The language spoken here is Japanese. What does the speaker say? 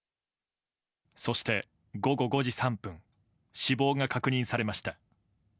そして、午後５時３分死亡が確認されました。